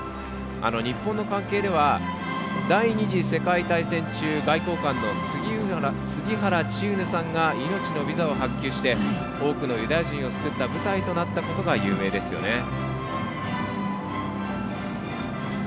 日本の関係では第二次世界大戦中外交官の杉原千畝さんが命のビザを発給して多くのユダヤ人を救った舞台となったことが有名ですよね。